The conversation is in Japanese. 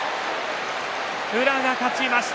宇良が勝ちました。